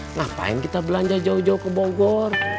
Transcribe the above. ngapain kita belanja jauh jauh ke bogor